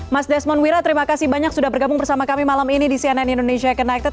mas desmond wira terima kasih banyak sudah bergabung bersama kami malam ini di cnn indonesia connected